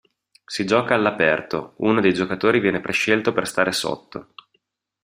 Si gioca all'aperto; uno dei giocatori viene prescelto per "stare sotto".